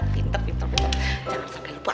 pintar pintar pintar